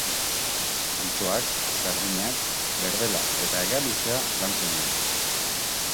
Antxoak, sardinak, berdela eta hegaluzea lantzen dituzte.